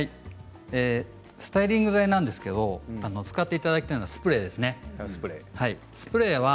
スタイリング剤なんですけど使っていただきたいのはスプレーなんです。